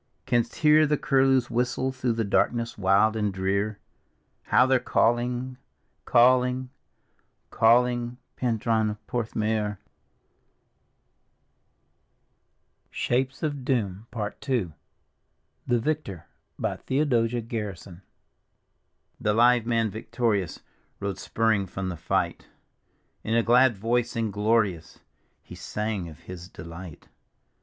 Canst bear the curlew's whistle throu^ the darkness wild and ditar, — How they're calling, calling, calling, Pentruan of Porth THE VICTOR: theodosia garrison The live man victorious Rode spurring from the fight; In a glad voice and glorious He sang of his delight.